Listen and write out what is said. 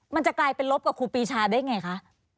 มันจะกลายลบกับคุณปีชาได้อย่างไงคะ